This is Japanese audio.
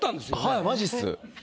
はいマジです。